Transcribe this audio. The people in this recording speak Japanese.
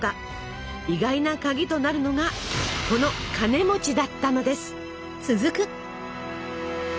意外な鍵となるのがこのカネだったのです。